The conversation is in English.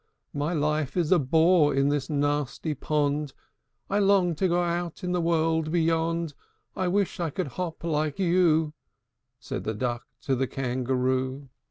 My life is a bore in this nasty pond; And I long to go out in the world beyond: I wish I could hop like you," Said the Duck to the Kangaroo.